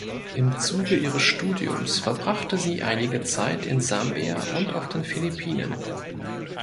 Im Zuge ihres Studiums verbrachte sie einige Zeit in Sambia und auf den Philippinen.